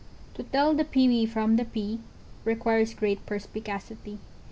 ] To tell the Pewee from the Pea, Requires great per spi ca city.